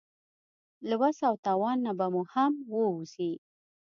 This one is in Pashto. له وس او توان نه به مو هم ووځي.